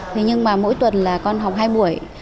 thế nhưng mà mỗi tuần là con học hai buổi